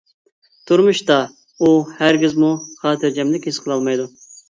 تۇرمۇشتا ئۇ ھەرگىزمۇ خاتىرجەملىك ھېس قىلالمايدۇ.